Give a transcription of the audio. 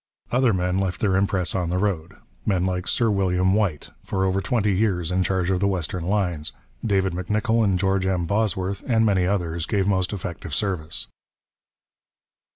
Other men left their impress on the road: men like Sir William Whyte, for over twenty years in charge of the western lines, David M'Nicoll, and George M. Bosworth and many others, gave most effective service.